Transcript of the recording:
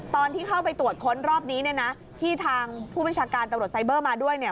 ตอนที่เข้าไปตรวจค้นรอบนี้เนี่ยนะที่ทางผู้บัญชาการตำรวจไซเบอร์มาด้วยเนี่ย